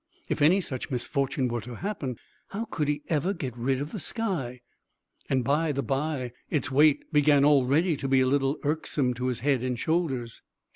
If any such misfortune were to happen, how could he ever get rid of the sky? And, by the by, its weight began already to be a little irksome to his head and shoulders.